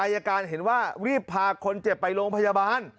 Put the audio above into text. อายการเห็นว่ารีบพาคนเจ็บไปโรงพยาบาล